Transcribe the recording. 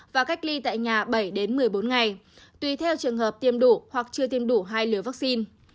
và cách ly tại nhà bảy đến một mươi bốn ngày tùy theo trường hợp tiêm đủ hoặc chưa tiêm đủ hai liều vaccine